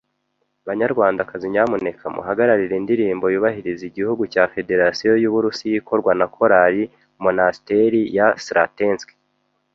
Banyarwandakazi, nyamuneka muhagararire indirimbo yubahiriza igihugu cya Federasiyo y’Uburusiya ikorwa na Korali Monasteri ya Sretensky.